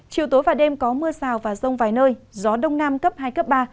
chiều tối và đêm có mưa rào và rông vài nơi gió đông nam cấp hai cấp ba